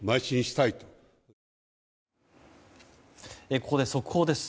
ここで速報です。